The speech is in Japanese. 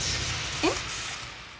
えっ？